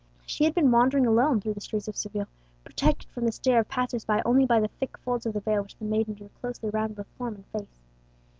She had been wandering alone through the streets of Seville, protected from the stare of passers by only by the thick folds of the veil which the maiden drew closely around both form and face.